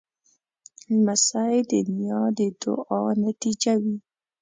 لمسی د نیا د دعا نتیجه وي.